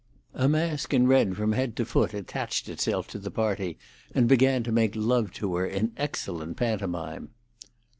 A mask in red from head to foot attached himself to the party, and began to make love to her in excellent pantomime.